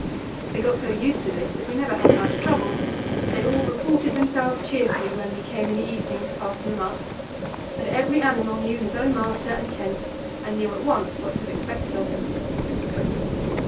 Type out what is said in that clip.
They got so used to this that we never had much trouble; they all reported themselves cheerfully when we came in the evening to fasten them up, and every animal knew his own master and tent, and knew at once what was expected of him.